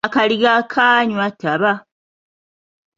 Akaliga kaanywa taba.